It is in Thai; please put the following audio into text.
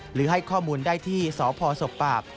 หรือให้ข้อมูลได้ที่สพศกปาก